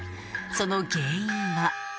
その原因は？